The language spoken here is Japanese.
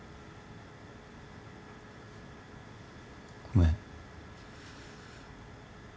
ごめん。